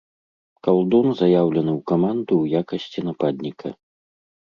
Калдун заяўлены ў каманду ў якасці нападніка.